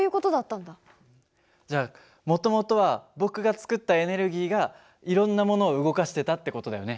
じゃあもともとは僕が作ったエネルギーがいろんなものを動かしてたって事だよね。